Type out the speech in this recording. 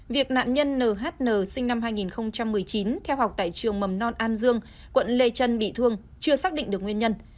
việc nạn nhân nhn sinh năm hai nghìn một mươi chín theo học tại trường mầm non an dương quận lê trân bị thương chưa xác định được nguyên nhân